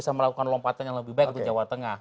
atau melakukan lompatan yang lebih baik di jawa tengah